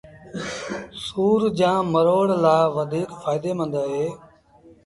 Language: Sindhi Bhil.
سُور جآݩ مروڙ لآ وڌيٚڪ ڦآئيٚدي مند اهي